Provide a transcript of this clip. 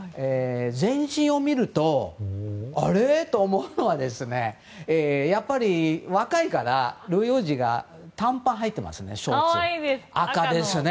全身を見ると、あれ？と思うのはやっぱり、若いからルイ王子が短パンをはいてますね。